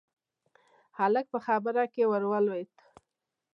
هلک په خبره کې ورولوېد: